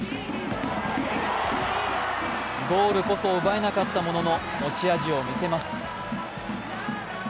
ゴールこそ奪えなかったものの持ち味をみせます。